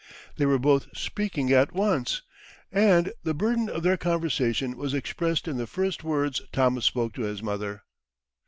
They were both speaking at once, and the burden of their conversation was expressed in the first words Thomas spoke to his mother.